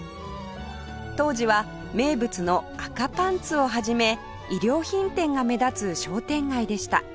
当時は名物の赤パンツを始め衣料品店が目立つ商店街でした